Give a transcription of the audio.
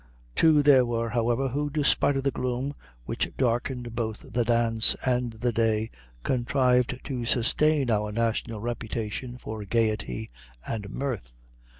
Two there were, however, who, despite of the gloom which darkened both the dance and the day, contrived to sustain our national reputation for gayety and mirth.